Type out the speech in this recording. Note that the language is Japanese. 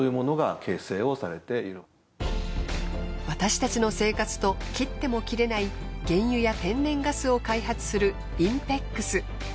私たちの生活と切っても切れない原油や天然ガスを開発するＩＮＰＥＸ。